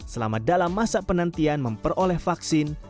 selama dalam masa penantian memperoleh vaksin